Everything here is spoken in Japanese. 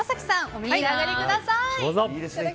お召し上がりください。